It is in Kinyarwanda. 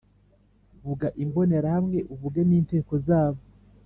Vuga imbonerahamwe uvuge n, inteko zabo.